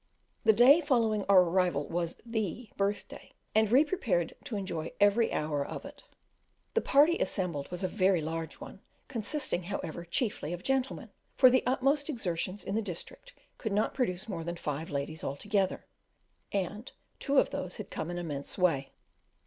The day following our arrival was the birthday, and we prepared to enjoy every hour of it. The party assembled was a very large one, consisting, however, chiefly of gentlemen, for the utmost exertions in the district could not produce more than five ladies altogether, and two of those had come an immense way.